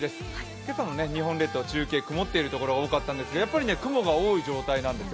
今朝の日本列島、中継曇っている所が多かったんですが、雲が多い状態なんですよ。